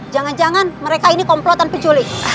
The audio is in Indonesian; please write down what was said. jangan jangan mereka ini komplotan penculik